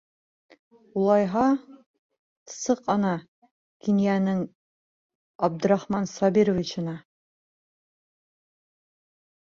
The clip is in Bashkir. Улайһа, сыҡ ана Кинйәнең Абдрахман Сабировичына!